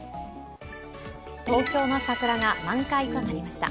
東京の桜が満開となりました。